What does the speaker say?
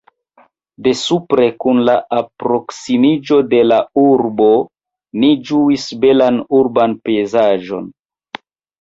De supre, kun la alproksimiĝo de la urbo ni ĝuis belan urban pejzaĝon.